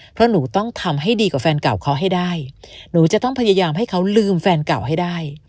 เพราะหนูต้องทำให้ดีกว่าแฟนเก่าเขาให้ได้หนูจะต้องพยายามให้เขาลืมแฟนเก่าให้ได้